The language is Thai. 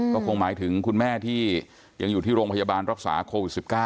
ก็คงหมายถึงคุณแม่ที่ยังอยู่ที่โรงพยาบาลรักษาโควิด๑๙